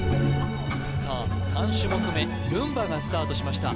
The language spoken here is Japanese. さあ３種目めルンバがスタートしました